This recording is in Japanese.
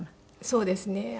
そうですね。